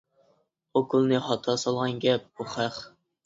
-ئوكۇلنى خاتا سالغان گەپ بۇ خەق!